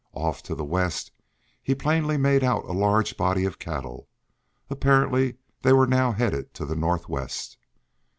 Off to the west, he plainly made out a large body of cattle. Apparently they were now headed to the northwest.